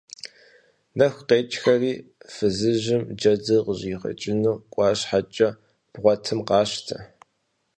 Нэху къекӀхэри фызыжьым джэдыр къыщӀигъэкӀыну кӀуа щхьэкӀэ, бгъуэтым къащтэ!